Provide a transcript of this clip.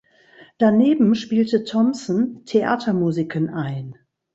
Daneben spielte Thompson Theatermusiken ein.